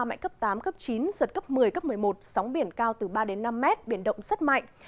mạnh cấp tám cấp chín giật cấp một mươi cấp một mươi một sóng biển cao từ ba đến năm mét biển động rất mạnh